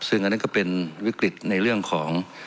ซึ่งอันนั้นก็เป็นวิกฤตในเรื่องของ